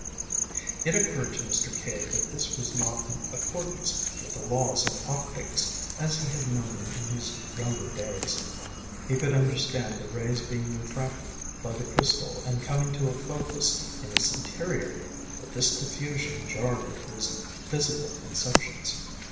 It occurred to Mr. Cave that this was not in accordance with the laws of optics as he had known them in his younger days. He could understand the rays being refracted by the crystal and coming to a focus in its interior, but this diffusion jarred with his physical conceptions.